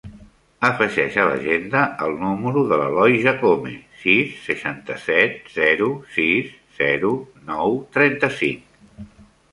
Afegeix a l'agenda el número de l'Eloi Jacome: sis, seixanta-set, zero, sis, zero, nou, trenta-cinc.